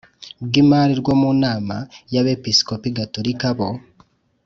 bw imari rwo mu Nama y Abepisikopi Gatolika bo